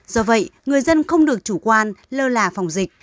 do vậy người dân không được chủ quan lơ là phòng dịch